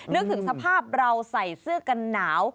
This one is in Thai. นึกถึงสภาพเราใส่เสื้อกันหนาว